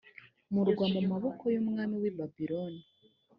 murwa mu maboko y umwami w i babuloni